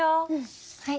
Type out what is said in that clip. はい。